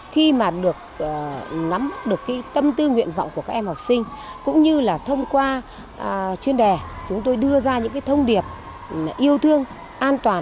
khi mà được nắm bắt được tâm tư nguyện vọng của các em học sinh cũng như là thông qua chuyên đề chúng tôi đưa ra những thông điệp yêu thương an toàn